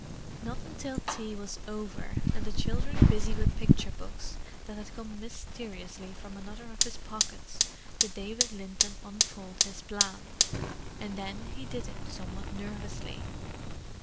Not until tea was over, and the children busy with picture books that had come mysteriously from another of his pockets, did David Linton unfold his plan: and then he did it somewhat nervously.